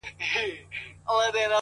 مثبت فکر د ستونزو وزن سپکوي!